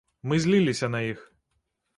Мы зліліся на іх.